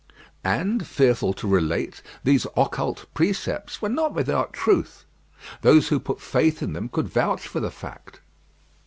And, fearful to relate, these occult precepts were not without truth. Those who put faith in them could vouch for the fact.